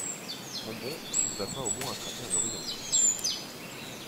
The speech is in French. Mon bon, tu ne vas pas au moins attraper un horion!